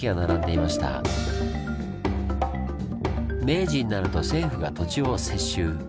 明治になると政府が土地を接収。